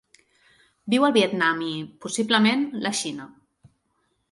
Viu al Vietnam i, possiblement, la Xina.